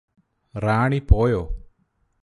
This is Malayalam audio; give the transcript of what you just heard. റാണി പോയോ